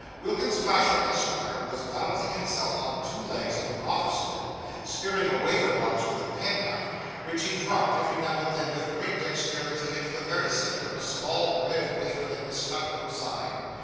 Wilkins Flasher, Esquire, was balancing himself on two legs of an office stool, spearing a wafer box with a penknife, which he dropped every now and then with great dexterity into the very centre of a small red wafer that was stuck outside.